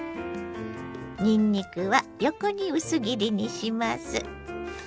にんにくは横に薄切りにします。